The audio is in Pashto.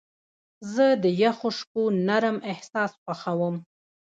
زه د یخو شپو نرم احساس خوښوم.